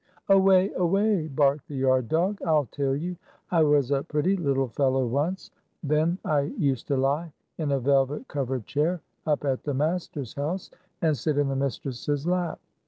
"Away! Away!" barked the yard dog. "I'll tell you. I was a pretty little fellow once. Then I used to lie in a velvet covered chair, up at the master's house, and sit in the mistress's lap.